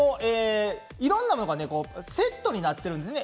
いろいろなものがセットになっているんですね。